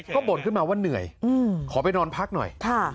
ก็บ่นขึ้นมาว่าเหนื่อยขอไปนอนพักหน่อย